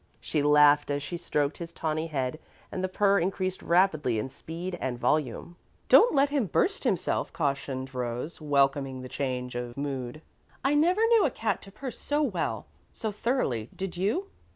She laughed as she stroked his tawny head and the purr increased rapidly in speed and volume. "Don't let him burst himself," cautioned Rose, welcoming the change of mood. "I never knew a cat to purr so well, so thoroughly, did you?"